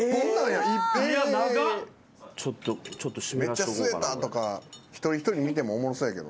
めっちゃ吸えたとか一人一人見てもおもろそうやけど。